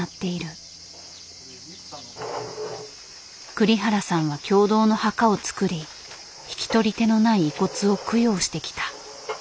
栗原さんは共同の墓を造り引き取り手のない遺骨を供養してきた。